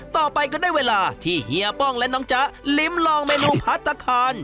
ต่อไปก็ได้เวลาที่เฮียป้องและน้องจ๊ะลิ้มลองเมนูพัฒนาคาร